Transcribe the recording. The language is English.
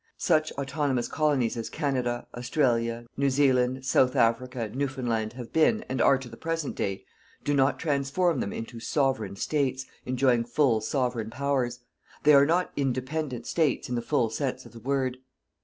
Such "autonomous colonies" as Canada, Australia, New Zealand, South Africa, Newfoundland, have been, and are to the present day, do not transform them into "Sovereign States," enjoying full "Sovereign powers." They are not "Independent States" in the full sense of the word.